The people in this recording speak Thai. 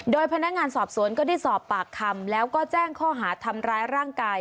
โดยพนักงานสอบสวนก็ได้สอบปากคำแล้วก็แจ้งข้อหาทำร้ายร่างกาย